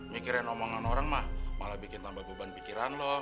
mikirin omongan orang mah malah bikin tambah beban pikiran loh